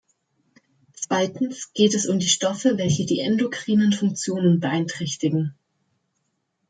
Zweitens geht es um die Stoffe, welche die endokrinen Funktionen beeinträchtigen.